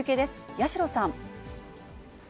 矢代さん。